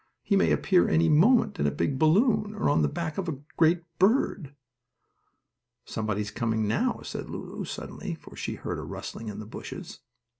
He may appear any moment in a big balloon or on the back of a great bird." "Somebody's coming now," said Lulu, suddenly, for she heard a rustling in the bushes.